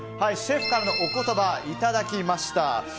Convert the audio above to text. シェフからのお言葉いただきました。